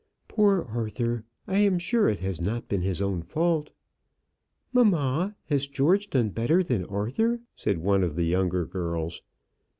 "Poor Arthur! I am sure it has not been his own fault." "Mamma, has George done better than Arthur?" said one of the younger girls.